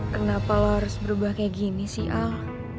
kenapa lo harus berubah kayak gini sih al